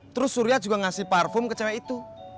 terus surya juga ngasih parfum ke cewek itu